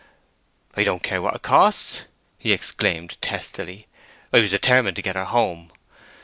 "I don't care what it costs!" he exclaimed, testily. "I was determined to get her home.